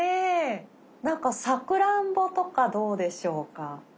なんかサクランボとかどうでしょうか。